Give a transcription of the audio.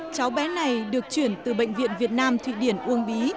cháu bé này được chuyển từ bệnh viện việt nam thụy điển uông bí